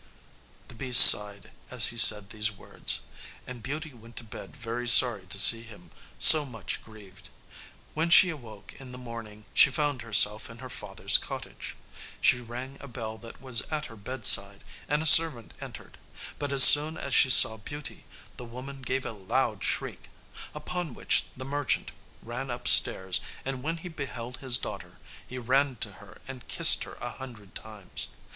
The beast sighed as he said these words, and Beauty went to bed very sorry to see him so much grieved. When she awoke in the morning she found herself in her father's cottage. She rang a bell that was at her bedside, and a servant entered; but as soon as she saw Beauty the woman gave a loud shriek; upon which the merchant ran up stairs, and when he beheld his daughter he ran to her and kissed her a hundred times.